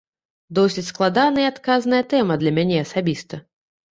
Досыць складаная і адказная тэма для мяне асабіста.